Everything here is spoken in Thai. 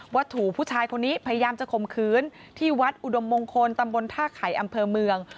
ว่าถูกผู้ชายคนนี้พยายามจะข่มขืนที่วัดอุดมมงคลตำบลท่าไข่อำเภอเมือง